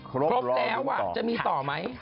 ครบแล้วจะมีต่อไหม